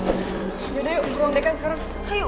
yaudah yuk ke ruang dekan sekarang